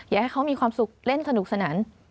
อยากให้เขามีความสุขเล่นสนุกสนาน